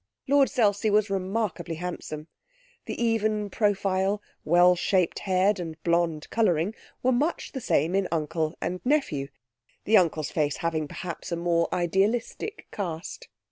Lord Selsey was remarkably handsome; the even profile, well shaped head, and blond colouring were much the same in uncle and nephew, the uncle's face having, perhaps, a more idealistic cast.